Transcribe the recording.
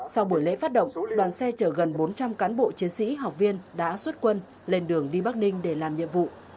sau buổi lễ phát động đoàn xe chở gần bốn trăm linh cán bộ chiến sĩ học viên đã xuất quân lên đường đi bắc ninh để làm nhiệm vụ